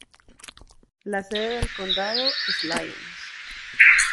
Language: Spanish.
La sede del condado es Lyons.